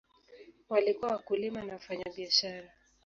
Walikuwa wakulima na wafanyabiashara.